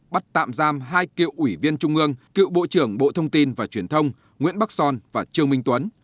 bắt tạm giam hai cựu ủy viên trung ương cựu bộ trưởng bộ thông tin và truyền thông nguyễn bắc son và trương minh tuấn